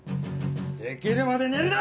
できるまで寝るな！